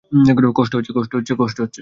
কষ্ট হচ্ছে।